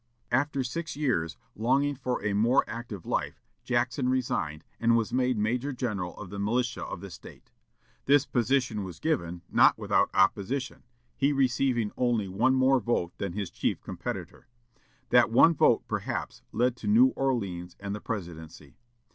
After six years, longing for a more active life, Jackson resigned, and was made major general of the militia of the State. This position was given, not without opposition, he receiving only one more vote than his chief competitor. That one vote, perhaps, led to New Orleans and the Presidency.